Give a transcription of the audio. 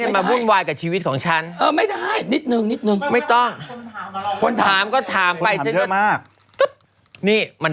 มาบุนไวด์กับชีวิตของฉัน